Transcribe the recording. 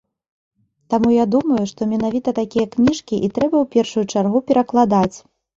Таму я думаю, што менавіта такія кніжкі і трэба ў першую чаргу перакладаць.